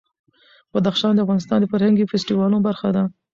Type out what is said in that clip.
بدخشان د افغانستان د فرهنګي فستیوالونو برخه ده.